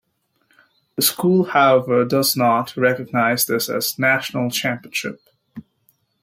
The school however does not recognize this as national championship.